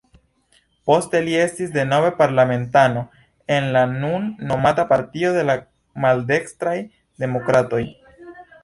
Poste li estis denove parlamentano, en la nun nomata Partio de la Maldekstraj Demokratoj.